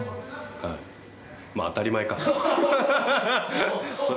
まあ、当たり前か。